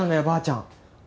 ばあちゃん。